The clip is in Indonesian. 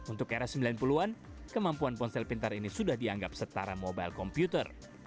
untuk era sembilan puluh an kemampuan ponsel pintar ini sudah dianggap setara mobile komputer